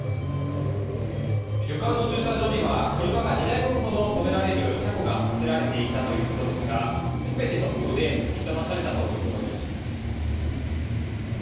旅館の駐車場には車が２台分ほど止められる車庫が立てられていたということですが全て突風で吹き飛ばされたということです。